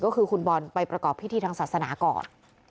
ก็คือคุณบอลไปประกอบพิธีทางศาสนาก่อน